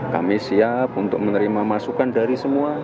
kami siap untuk menerima masukan dari semua